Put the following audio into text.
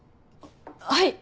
はい！